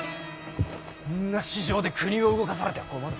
そんな私情で国を動かされては困る！